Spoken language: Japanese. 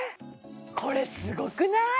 これすごくない？